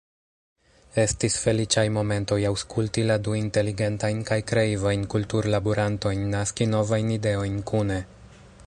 Estis feliĉaj momentoj aŭskulti la du inteligentajn kaj kreivajn ”kulturlaborantojn” naski novajn ideojn kune.